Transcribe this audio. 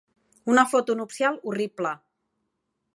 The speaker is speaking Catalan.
Una foto nupcial horrible.